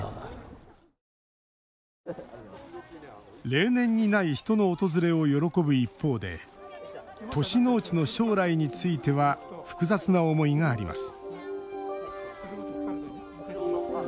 例年にない人の訪れを喜ぶ一方で都市農地の将来については複雑な思いがあります。